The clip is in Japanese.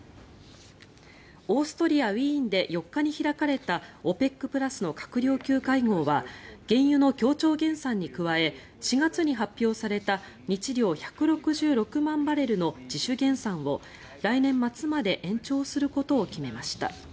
オーストリア・ウィーンで４日に開かれたＯＰＥＣプラスの閣僚級会合は原油の協調減産に加え４月に発表された日量１６６万バレルの自主減産を来年末まで延長することを決めました。